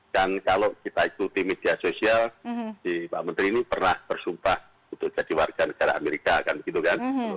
kan kalau kita ikuti media sosial si pak menteri ini pernah bersumpah untuk jadi warga negara amerika kan begitu kan